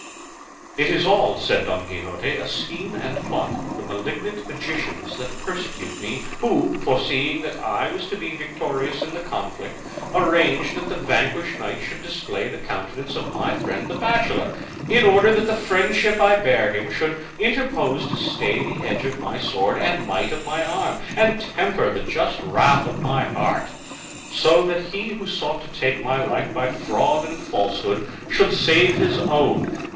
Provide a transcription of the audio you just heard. "It is all," said Don Quixote, "a scheme and plot of the malignant magicians that persecute me, who, foreseeing that I was to be victorious in the conflict, arranged that the vanquished knight should display the countenance of my friend the bachelor, in order that the friendship I bear him should interpose to stay the edge of my sword and might of my arm, and temper the just wrath of my heart; so that he who sought to take my life by fraud and falsehood should save his own.